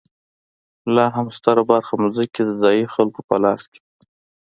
لا هم ستره برخه ځمکې د ځايي خلکو په لاس کې وه.